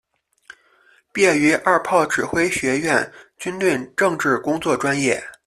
毕业于二炮指挥学院军队政治工作专业。